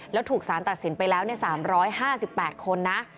แล้วถูกสารตัดสินไปแล้ว๓๕๘คนนะ